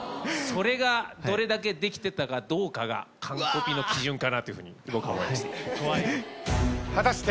それがどれだけできてたかどうかがカンコピの基準かなというふうに僕は思いました。